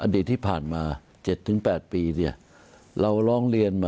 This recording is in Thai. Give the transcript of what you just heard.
อดีตที่ผ่านมา๗๘ปี